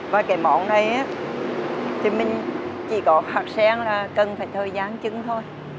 và cái món này thì mình chỉ có hạt sen là cần phải thời gian trứng thôi